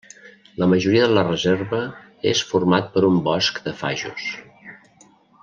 La majoria de la reserva és format per un bosc de fajos.